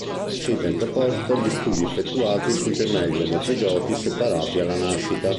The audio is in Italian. Cita in proposito gli studi effettuati sui gemelli omozigoti separati alla nascita.